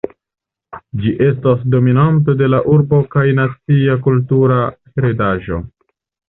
Ĝi estas dominanto de la urbo kaj nacia kultura heredaĵo.